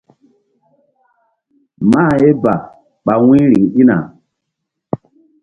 Mah ye ba ɓa wu̧y riŋ ɗina.